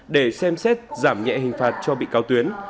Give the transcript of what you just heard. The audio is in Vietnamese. để xem xét giảm nhẹ hình phạt cho bị cáo tuyến